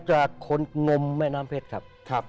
จากคนงมแม่น้ำเพชรครับ